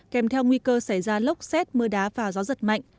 kèm theo nguy cơ xảy ra lốc xét mưa đá và gió giật mạnh